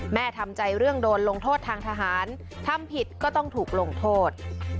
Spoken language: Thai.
ทำใจเรื่องโดนลงโทษทางทหารทำผิดก็ต้องถูกลงโทษ